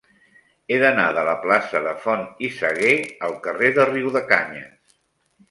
He d'anar de la plaça de Font i Sagué al carrer de Riudecanyes.